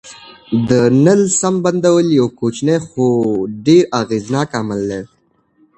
د نل سم بندول یو کوچنی خو ډېر اغېزناک عمل دی.